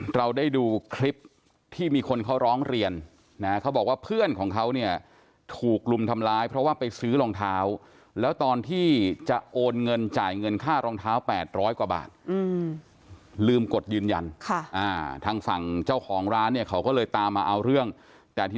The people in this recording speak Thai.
เราได้ดูคลิปที่มีคนเขาร้องเรียนนะเขาบอกว่าเพื่อนของเขาเนี่ยถูกลุมทำร้ายเพราะว่าไปซื้อรองเท้าแล้วตอนที่จะโอนเงินจ่ายเงินค่ารองเท้า๘๐๐กว่าบาทลืมกดยืนยันทางฝั่งเจ้าของร้านเนี่ยเขาก็เลยตามมาเอาเรื่องแต่ที